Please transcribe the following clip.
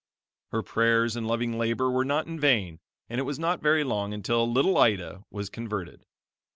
Her prayers and loving labor were not in vain and it was not very long until little Ida was converted.